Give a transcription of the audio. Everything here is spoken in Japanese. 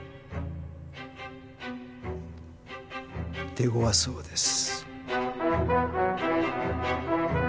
手ごわそうです。